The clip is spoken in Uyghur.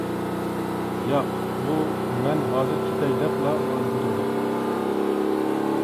ياق. بۇ. مەن ھازىر كېتەي-دەپلا، ئورنىدىن تۇردى.